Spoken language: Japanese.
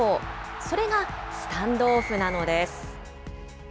それがスタンドオフなのです。